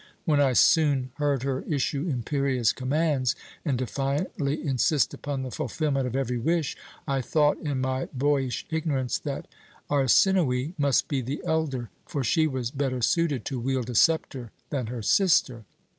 When I soon heard her issue imperious commands and defiantly insist upon the fulfilment of every wish, I thought, in my boyish ignorance, that Arsinoë must be the elder; for she was better suited to wield a sceptre than her sister.